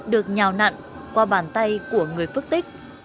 được nhào nặn qua bàn tay của người phước tích